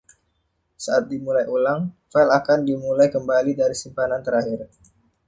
Saat dimulai ulang, file akan dimulai kembali dari simpanan terakhir.